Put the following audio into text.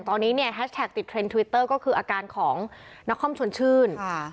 ตอนนี้เนี่ยแฮชแท็กติดเทรนดทวิตเตอร์ก็คืออาการของนครชวนชื่น